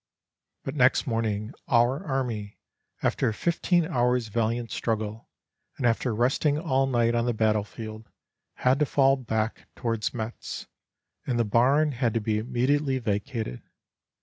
"But next morning our army, after a fifteen hours' valiant struggle and after resting all night on the battlefield, had to fall back towards Metz, and the barn had to be immediately vacated.